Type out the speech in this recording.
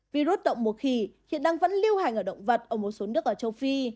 virus động mùa khỉ hiện đang vẫn lưu hành ở động vật ở một số nước ở châu phi